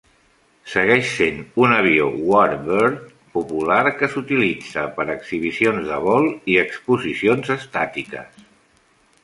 Segueix sent un avió warbird popular que s'utilitza per exhibicions de vol i exposicions estàtiques.